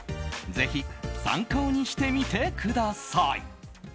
ぜひ、参考にしてみてください。